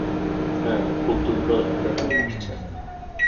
হ্যাঁ, কুদ্দুস ব্যাটাও হাসছে।